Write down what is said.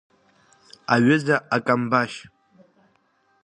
Аҩыза акамбашь!